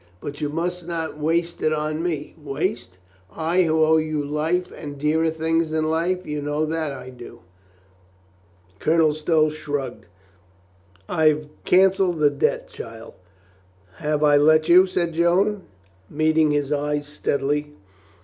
"But you must not waste it on me." "Waste? I who owe you life and dearer things than life? You know that I do." Colonel Stow shrugged. "I've canceled that debt, child." "Have I let you?" said Joan, meeting his eyes steadily.